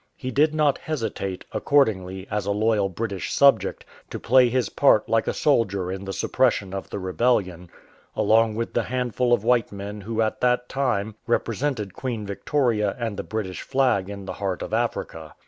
He did not hesitate, accord ingly, as a loyal British subject, to play his part like a soldier in the suppression of the rebellion, along with the handful of white men who at that time represented Queen Victoria and the British flag in the heart of Africa.